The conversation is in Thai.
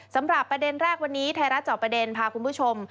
สำหรับประเด็นแรกวันนี้ไทยรัฐจอบประเด็นพาคุณผู้ชม